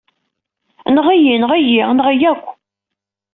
Enɣ-iyi! Enɣ-iyi! Enɣ-iyi akk!